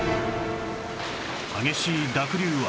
激しい濁流は